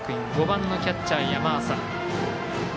５番のキャッチャー、山浅。